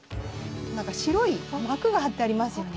白い膜が貼ってありますよね。